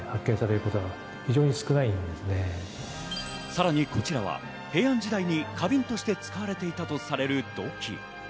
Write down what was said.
さらに、こちらは平安時代に花瓶として使われていたとされる土器。